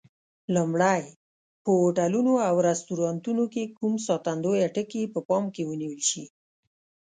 لومړی: په هوټلونو او رستورانتونو کې کوم ساتندویه ټکي په پام کې ونیول شي؟